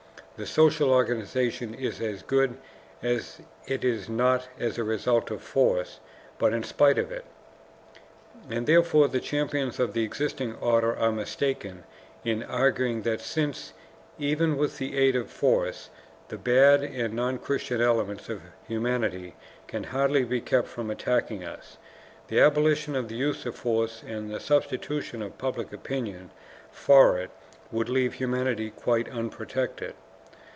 The social organization is as good as it is not as a result of force, but in spite of it. And therefore the champions of the existing order are mistaken in arguing that since, even with the aid of force, the bad and non Christian elements of humanity can hardly be kept from attacking us, the abolition of the use of force and the substitution of public opinion for it would leave humanity quite unprotected.